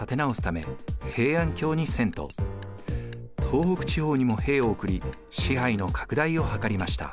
東北地方にも兵を送り支配の拡大を図りました。